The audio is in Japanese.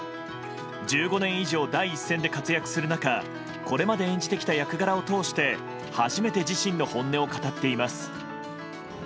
１５年以上、第一線で活躍する中これまで演じてきた役柄を通して初めて自身の本音を語っています。